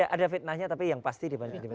ada fitnahnya tapi yang pasti dibandingkan